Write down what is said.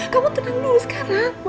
kamu tenang dulu sekarang